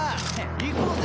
行こうぜ。